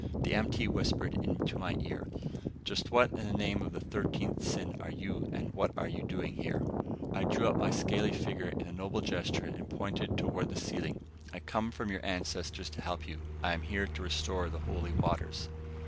The MT whispered into my ear, "Just what in the name of the thirteenth sin are you and what are you doing here?" I drew up my scaly figure in a noble gesture and pointed toward the ceiling. "I come from your ancestors to help you. I am here to restore the Holy Waters."